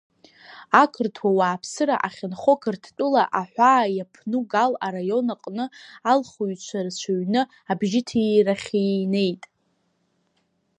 Ақырҭуа уааԥсыра ахьынхо Қырҭтәыла аҳәаа иаԥну Гал араион аҟны, алхыҩцәа рацәаҩны абжьҭирахьы инеит.